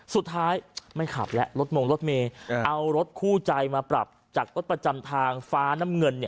สุดท้ายไม่ขับแล้วรถมงรถเมย์เอารถคู่ใจมาปรับจากรถประจำทางฟ้าน้ำเงิน